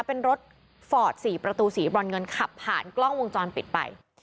เป็นรถฟอร์ด๔ประตูสีบรอนเงินขับผ่านกล้องวงจรปิดไป